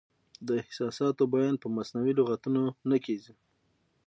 د احساساتو بیان په مصنوعي لغتونو نه کیږي.